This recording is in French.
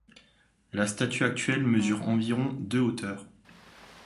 La statue actuelle mesure environ de hauteur.